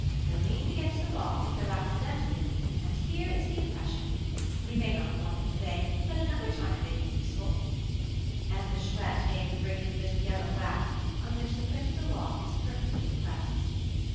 I leaned against the lock as though accidentally, and here is the impression; we may not want it to day, but another time it may be useful." And the Chouette gave the brigand a bit of yellow wax, on which the print of the lock was perfectly impressed.